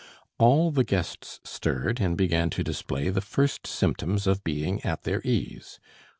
all the guests stirred and began to display the first symptoms of being at their ease.